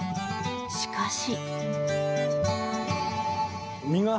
しかし。